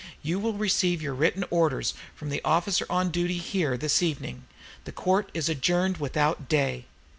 You will receive your written orders from the officer on duty here this evening. The Court is adjourned without day."